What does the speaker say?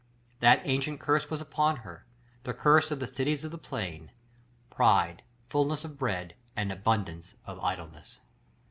That ancient curse was upon her, the curse of the cities of the plain, "Pride, fulness of bread, and abundance of idleness."